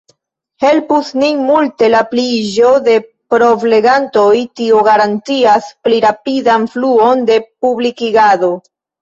Helpus nin multe la pliiĝo de provlegantoj, tio garantias pli rapidan fluon de publikigado.